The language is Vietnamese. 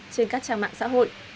trên các trang mạng xã hội